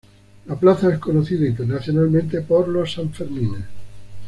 La plaza es conocida internacionalmente por los Sanfermines.